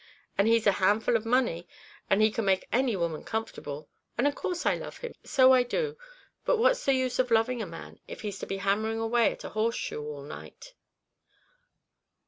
And he's a handful of money, and can make any woman comfortable; and in course I love him so I do. But what's the use of loving a man, if he's to be hammering away at a horseshoe all night?"